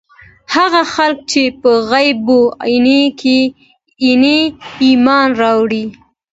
هغه خلک چې په غيبو ئې ايمان راوړی